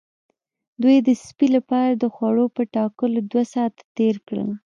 دوی د سپي لپاره د خوړو په ټاکلو دوه ساعته تیر کړل